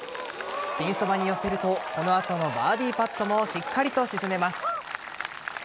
ピンそばに寄せるとこの後のバーディーパットもしっかりと沈めます。